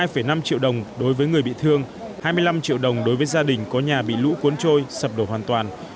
hai năm triệu đồng đối với người bị thương hai mươi năm triệu đồng đối với gia đình có nhà bị lũ cuốn trôi sập đổ hoàn toàn